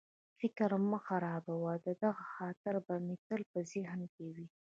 فکر مه خرابوه، دغه خاطره به مې تل په ذهن کې وي.